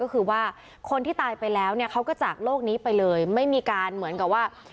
ก็คือว่าคนที่ตายไปแล้วเนี่ยเขาก็จากโลกนี้ไปเลยไม่มีการเหมือนกับว่า